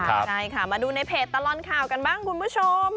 ใช่ค่ะมาดูในเพจตลอดข่าวกันบ้างคุณผู้ชม